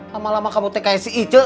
lama lama kamu tek kayak si ic